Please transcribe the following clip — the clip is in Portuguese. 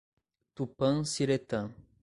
Tupanciretã